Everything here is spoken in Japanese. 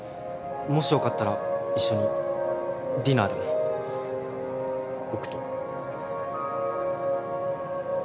もしよかったら一緒にディナーでも僕と。